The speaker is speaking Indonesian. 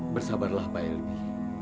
bersabarlah pak elbi